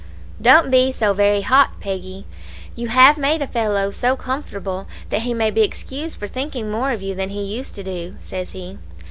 "'Don't be so very hot, Peggy. You have made a fellow so comfortable, that he may be excused for thinking more of you than he used to do,' says he.